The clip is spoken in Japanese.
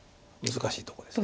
難しいとこです。